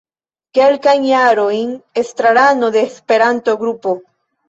Kelkajn jarojn estrarano de Esperanto-Grupo.